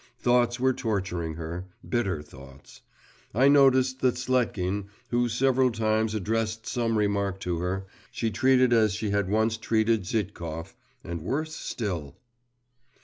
Thoughts were torturing her … bitter thoughts. I noticed that Sletkin, who several times addressed some remark to her, she treated as she had once treated Zhitkov, and worse still.